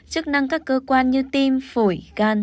chức năng các cơ quan như tim phổi gan